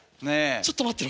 ちょっと待ってろ。